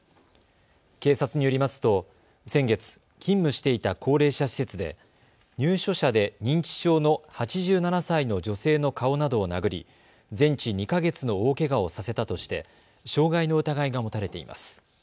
警察によりますと先月、勤務していた高齢者施設で入所者で認知症の８７歳の女性の顔などを殴り全治２か月の大けがをさせたとして傷害の疑いが持たれています。